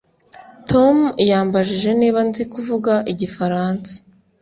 Tom yambajije niba nzi kuvuga igifaransa